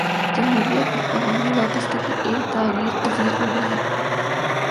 جمہوریت میں عوامی وابستگی ایک تغیر پذیر عمل ہے۔